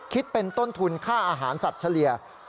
คิดเป็นต้นทุนค่าอาหารสัตว์เฉลี่ย